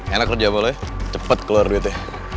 enak kerja sama lo ya cepet keluar duitnya